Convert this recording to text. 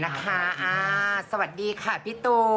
เราก็พิจารณาดูแลว่าคนนี้อ่ะมีความซื่อสัตว์